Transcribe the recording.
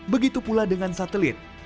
begitu pula dengan satelit